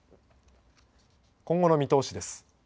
今後の見通しです。